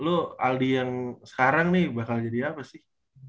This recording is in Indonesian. lu aldi yang sekarang nih bakal jadi apa sih